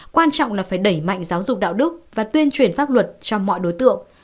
quan trọng là phải đẩy mạnh giáo dục đạo đức và tuyên truyền pháp luật cho mọi đối tượng